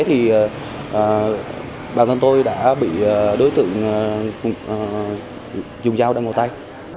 thì bản thân tôi đã bị đối tượng dùng dao đâm vào tay